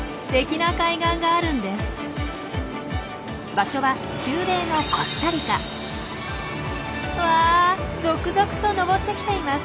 場所は中米のわ続々と上ってきています。